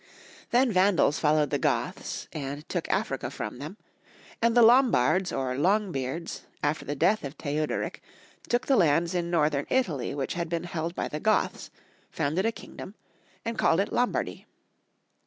Then Vandals followed the Goths, and took Africa from them ; and the Lombards, or Long beards, after the death of Theuderick, took the lands in Northern Italy which had been held by the Goths, founded a kingdom, and called it Lom bardy.